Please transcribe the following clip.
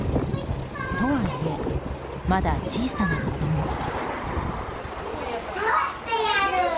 とはいえ、まだ小さな子供。